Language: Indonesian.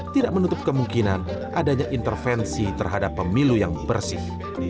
tidak menutup kemungkinan adanya intervensi terhadap pemilu yang bersih